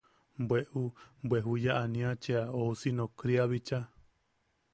Bwe u... bwe juya ania cheʼa ousi nokria bicha.